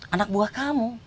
anak buah kamu